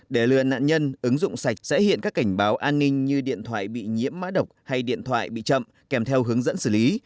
để lừa nạn nhân ứng dụng sạch sẽ hiện các cảnh báo an ninh như điện thoại bị nhiễm mã độc hay điện thoại bị chậm kèm theo hướng dẫn xử lý